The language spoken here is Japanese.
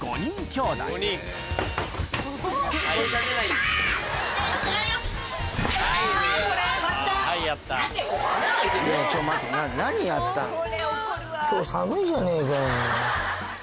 今日寒いじゃねえかよ。